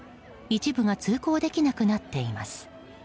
一部が通行できなくなっています。